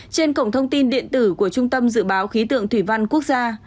trên cổng thông tin điện tử của trung tâm dự báo khí tượng thủy văn quốc gia